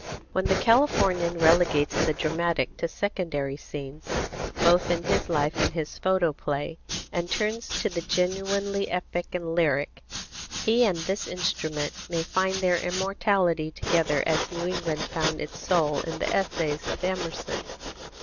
When the Californian relegates the dramatic to secondary scenes, both in his life and his photoplay, and turns to the genuinely epic and lyric, he and this instrument may find their immortality together as New England found its soul in the essays of Emerson.